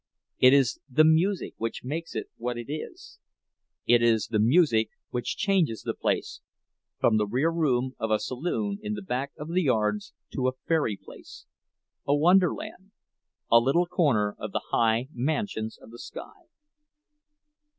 It is the music which makes it what it is; it is the music which changes the place from the rear room of a saloon in back of the yards to a fairy place, a wonderland, a little corner of the high mansions of the sky.